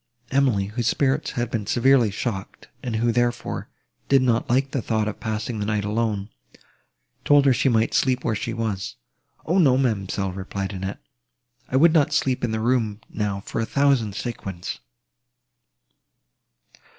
Emily, whose spirits had been severely shocked, and who, therefore, did not like the thought of passing the night alone, told her she might sleep where she was. "O, no, ma'amselle," replied Annette, "I would not sleep in the room now for a thousand sequins!"